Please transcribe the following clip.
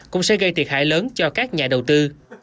cũng sẽ gây thiệt hại lớn cho các nhà đầu tư